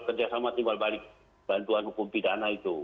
nah perjanjian timbal kerjasama timbal balik bantuan hukum pidana itu